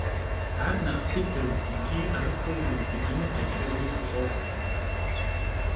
Ar nexh bıdeu yiç'i 'erıxueu yiubıdınu detxeneri xuş'okhu.